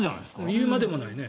言うまでもないね。